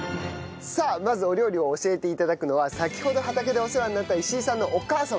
さあまずお料理を教えて頂くのは先ほど畑でお世話になった石井さんのお母様ですね。